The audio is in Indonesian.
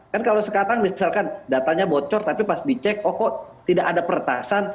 kan kalau sekarang misalkan datanya bocor tapi pas dicek oh kok tidak ada peretasan